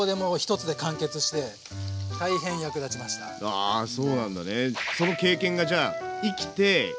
ああそうなんだね。